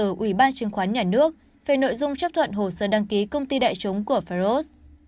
ủy ban chứng khoán nhà nước về nội dung chấp thuận hồ sơ đăng ký công ty đại chúng của faros